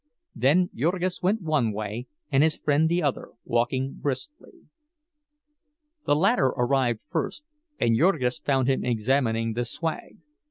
Then Jurgis went one way and his friend the other, walking briskly. The latter arrived first, and Jurgis found him examining the "swag."